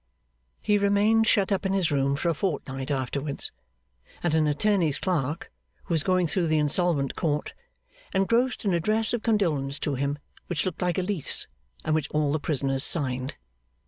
He remained shut up in his room for a fortnight afterwards; and an attorney's clerk, who was going through the Insolvent Court, engrossed an address of condolence to him, which looked like a Lease, and which all the prisoners signed.